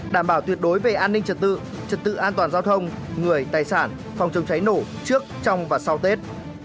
đảm bảo tuyệt đối về an ninh trật tự trật tự an toàn giao thông người tài sản phòng chống cháy nổ trước trong và sau tết